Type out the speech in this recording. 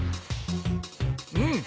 うん！